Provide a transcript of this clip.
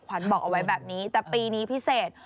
ขวัญบอกเอาไว้แบบนี้แต่ปีนี้พิเศษ